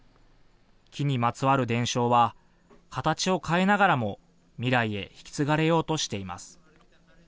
木にまつわる伝承は形を変えながらも未来へ引き継がれようとしています。